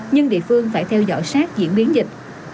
nhưng địa phương phải theo dõi sát diễn biến dịch